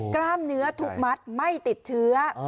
กล้ามเนื้อทุกมัดไม่ติดเชื้อ